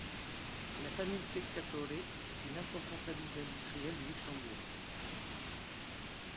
La famille Pescatore est une importante famille d'industriels du Luxembourg.